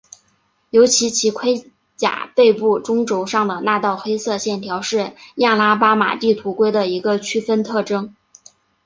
尤其其盔甲背部中轴上的那道黑色线条是亚拉巴马地图龟的一个区分特征。